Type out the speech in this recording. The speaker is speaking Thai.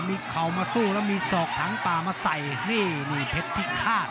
มีเคลามาสู้แล้วมีสอกทางตามาใส่นี่มีแพ็ดพิคาต